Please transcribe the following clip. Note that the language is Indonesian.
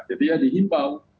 jadi ya dihimbau